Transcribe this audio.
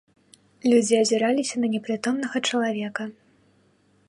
Людзі азіраліся на непрытомнага чалавека.